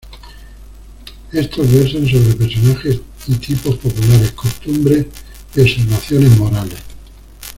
Estos versan sobre personajes y tipos populares, costumbres y observaciones morales.